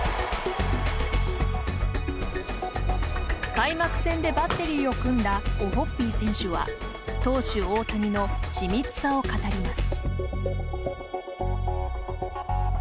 開幕戦でバッテリーを組んだオホッピー選手は投手大谷の緻密さを語ります。